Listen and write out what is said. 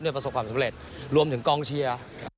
เนี่ยประสบความสำเร็จรวมถึงกองเพียว